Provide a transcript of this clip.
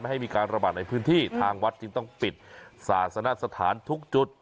ให้มีการระบาดในพื้นที่ทางวัดจึงต้องปิดศาสนสถานทุกจุด